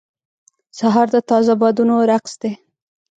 سهار د تازه بادونو رقص دی.